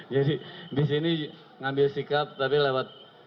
jadi disini ngambil sikap tapi lewat